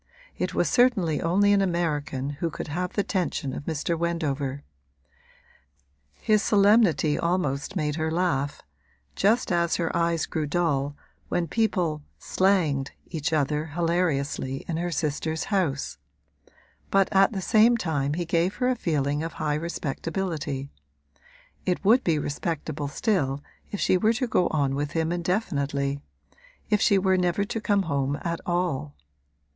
It was certainly only an American who could have the tension of Mr. Wendover; his solemnity almost made her laugh, just as her eyes grew dull when people 'slanged' each other hilariously in her sister's house; but at the same time he gave her a feeling of high respectability. It would be respectable still if she were to go on with him indefinitely if she never were to come home at all.